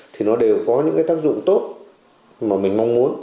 thì nó đều có những cái tác dụng tốt mà mình mong muốn